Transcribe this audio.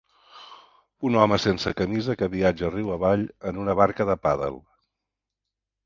Un home sense camisa que viatja riu avall en una barca de pàdel